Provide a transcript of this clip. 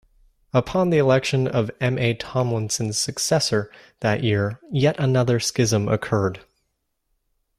Upon the election of M. A. Tomlinson's successor that year, yet another schism occurred.